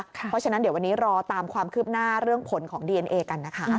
เพราะฉะนั้นเดี๋ยววันนี้รอตามความคืบหน้าเรื่องผลของดีเอนเอกันนะคะ